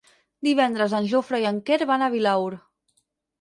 Divendres en Jofre i en Quer van a Vilaür.